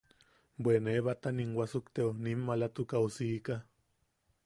Bwe ne batanim wasukteo, nim maalatukaʼu siika.